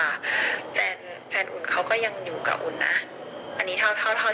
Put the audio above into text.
อันนี้เท่าที่รู้มานะแต่เราก็แบบเราไม่อยากไปเปิดวาบให้ใครไปรุมด่าเขาอะ